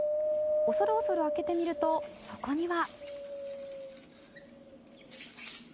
恐る恐る開けてみるとそこには。